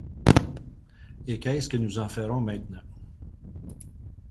Et qu’est-ce que nous en ferons maintenant